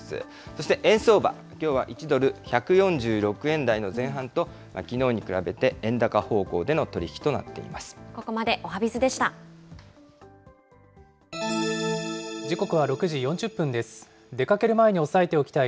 そして円相場、きょうは１ドル１４６円台の前半と、きのうに比べて円高方向での取り引きとなってここまでおはＢｉｚでした。